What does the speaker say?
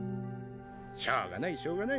しょうがないしょうがない